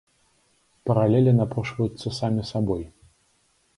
Паралелі напрошваюцца самі сабой.